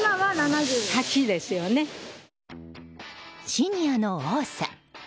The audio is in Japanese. シニアの多さ。